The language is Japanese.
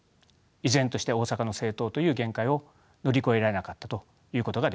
依然として大阪の政党という限界を乗り越えられなかったと言うことができるでしょう。